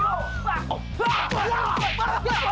kau mau siu